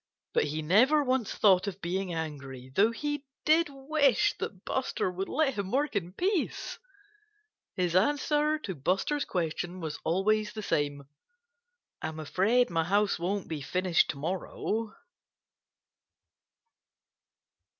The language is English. But he never once thought of being angry though he did wish that Buster would let him work in peace. His answer to Buster's question was always the same: "I'm afraid my house won't be finished to morrow."